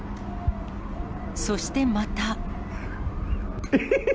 そしてまた。